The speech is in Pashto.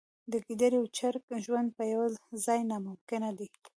د ګیدړې او چرګ ژوند په یوه ځای ناممکن دی.